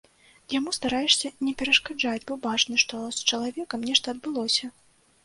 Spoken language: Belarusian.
Яму стараешся не перашкаджаць, бо бачна, што з чалавекам нешта адбылося.